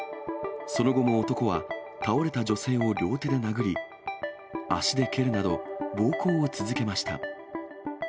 その後も男は、倒れた女性を両手で殴り、足で蹴るなど、暴行を続けました。